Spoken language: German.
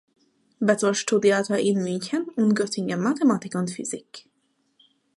Bezold studierte in München und Göttingen Mathematik und Physik.